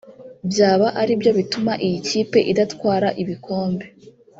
byaba aribyo bituma iyi kipe idatwara ibikombe